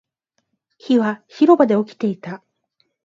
火は広場で起きていた